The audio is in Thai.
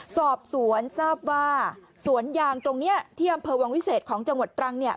สอบสวนทราบว่าสวนยางตรงนี้ที่อำเภอวังวิเศษของจังหวัดตรังเนี่ย